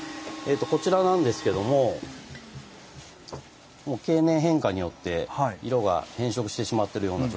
こちらなんですけども経年変化によって色が変色してしまっているような状態なんですけども。